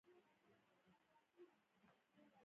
هغې ما ته خبر راکړ چې سبا به مېلمانه لرو